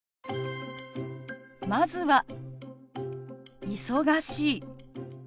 まずは「忙しい」。